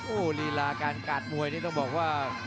โอ้โหลีลาการกาดมวยนี่ต้องบอกว่า